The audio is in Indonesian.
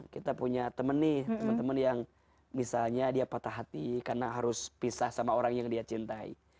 kita punya teman nih teman teman yang misalnya dia patah hati karena harus pisah sama orang yang dia cintai